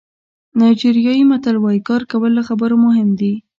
نایجیریايي متل وایي کار کول له خبرو مهم دي.